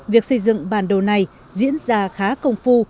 việc xây dựng bản đồ này diễn ra khá công phu